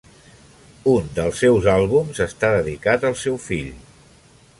Un dels seus àlbums està dedicat al seu fill.